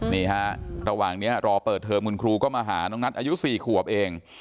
นี่ฮะระหว่างนี้รอเปิดเทอมคุณครูก็มาหาน้องนัทอายุ๔ขวบเอง